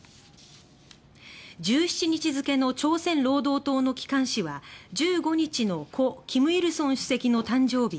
１７日付の朝鮮労働党の機関紙は１５日の故・金日成主席の誕生日